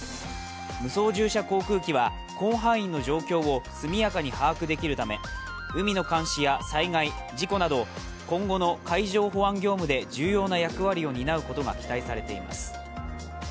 無操縦者航空機は広範囲の状況を速やかに把握できるため海の監視や災害、事故など今後の海上保安業務で重要な役割を担うことが期待されています。